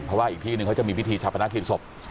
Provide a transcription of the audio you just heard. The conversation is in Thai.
เพราะว่าอีกที่หนึ่งเขาจะมีพิธีฉบต